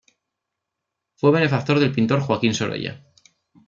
Fue benefactor del pintor Joaquín Sorolla.